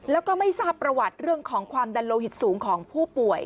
แล้วก็ไม่ทราบประวัติเรื่องของความดันโลหิตสูงของผู้ป่วย